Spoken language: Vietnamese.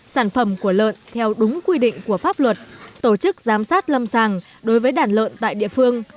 sản phẩm của lợn theo đúng quy định của pháp luật tổ chức giám sát lâm sàng đối với đàn lợn tại địa phương